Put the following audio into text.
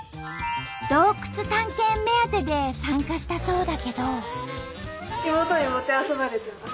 洞窟探検目当てで参加したそうだけど。